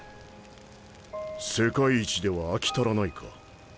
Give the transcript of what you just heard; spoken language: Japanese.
世界一では飽き足らないか？